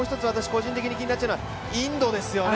個人的に気になっちゃうのはインドですよね